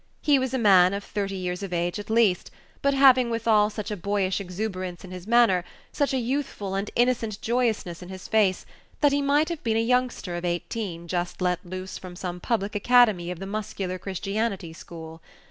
He was a man of thirty years of age at least, but having withal such a boyish exuberance in his manner, such a youthful and innocent joyousness in his face, that he might have been a youngster of eighteen just let loose from some public academy of the muscular Christianity school.